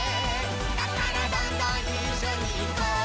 「だからどんどんいっしょにいこう」